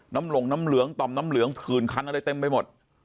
หลงน้ำเหลืองต่อมน้ำเหลืองผื่นคันอะไรเต็มไปหมด